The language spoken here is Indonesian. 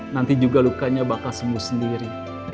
nanti juga lukanya bakal sembuh sendiri